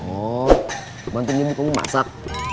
oh bantuin ibu kamu masak